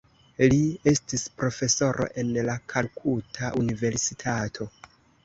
Li estis profesoro en la Kalkuta Universitato.